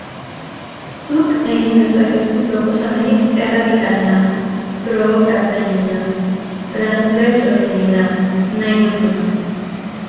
Zuk egin dezakezu proposamenik erradikalena, probokatzaileena, transgresoreena, nahi duzuna...